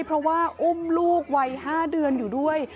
เพราะว่าอุ้มลูกวัย๕เดือนอยู่ด้วย